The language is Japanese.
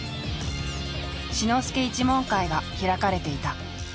志の輔一門会が開かれていた。